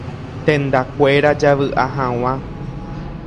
Tendakuéra javy'a hag̃ua.